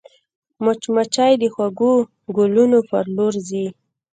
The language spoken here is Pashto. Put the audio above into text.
مچمچۍ د خوږو ګلونو پر لور ځي